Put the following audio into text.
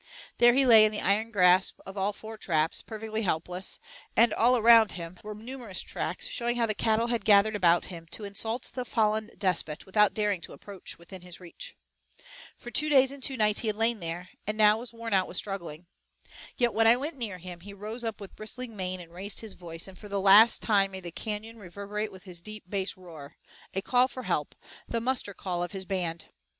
There he lay in the iron grasp of all four traps, perfectly helpless, and all around him were numerous tracks showing how the cattle had gathered about him to insult the fallen despot, without daring to approach within his reach. For two days and two nights he had lain there, and now was worn out with struggling. Yet, when I went near him, he rose up with bristling mane and raised his voice, and for the last time made the canyon reverberate with his deep bass roar, a call for help, the muster call of his band.